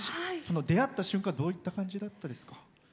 出会った瞬間、どういった感じだったですか？